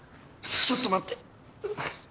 ちょっと待って。